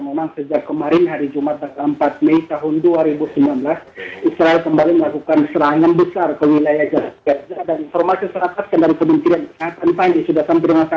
memang sejak kemarin hari jumat empat mei tahun dua ribu sembilan belas israel kembali melakukan serangan besar